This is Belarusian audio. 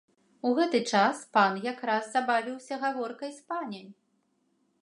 У гэты час пан якраз забавіўся гаворкай з паняй.